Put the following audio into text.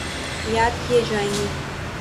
یاد کیے جائیں گے۔